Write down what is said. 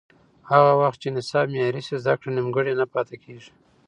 هغه مهال چې نصاب معیاري شي، زده کړه نیمګړې نه پاتې کېږي.